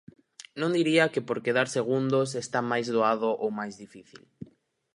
Non diría que por quedar segundos está máis doado ou máis difícil.